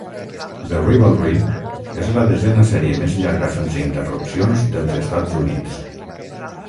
The rivalry és la desena sèrie més llarga sense interrupcions dels Estats Units.